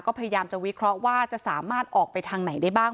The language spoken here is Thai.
ก็พยายามจะวิเคราะห์ว่าจะสามารถออกไปทางไหนได้บ้าง